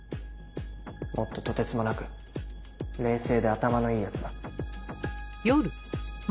もっととてつもなく冷静で頭のいいヤツだ。